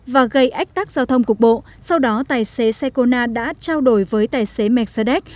và gây ách tắc giao thông cục bộ sau đó tài xế xe kona đã trao đổi với tài xế mercedes